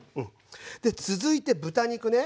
で続いて豚肉ね。